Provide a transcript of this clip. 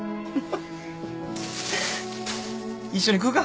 一緒に食うか。